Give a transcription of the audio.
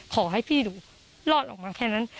ขอให้พี่ดูรอดออกมาแค่นั้น